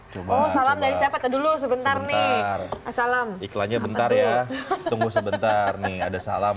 coba salam dari siapa dulu sebentar nih salam iklannya bentar ya tunggu sebentar nih ada salam